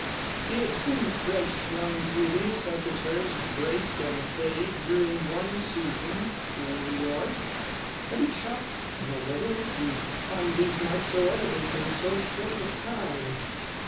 He had seen fresh young beauty such as hers break and fade during one season in New York, but it shocked him a little to find these marks so evident in so short a time.